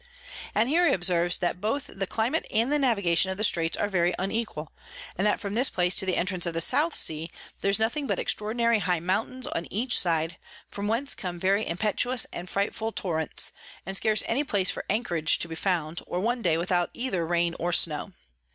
And here he observes, that both the Climate and the Navigation of the Straits are very unequal; and that from this place to the Entrance of the South Sea there's nothing but extraordinary high Mountains on each side, from whence come very impetuous and frightful Torrents, and scarce any place for Anchorage to be found, or one Day without either Rain or Snow.